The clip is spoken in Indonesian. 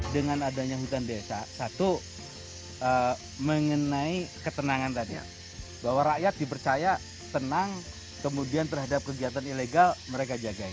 dengan adanya hutan desa satu mengenai ketenangan tadi bahwa rakyat dipercaya tenang kemudian terhadap kegiatan ilegal mereka jagai